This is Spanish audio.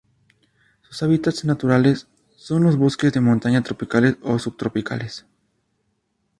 Su hábitats naturales son los bosques de montaña tropicales o subtropicales.